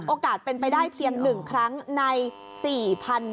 โอกาสเป็นไปได้เพียง๑ครั้งใน๔๑๖๖ปี